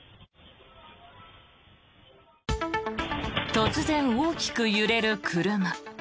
突然、大きく揺れる車。